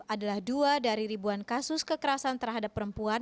adalah dua dari ribuan kasus kekerasan terhadap perempuan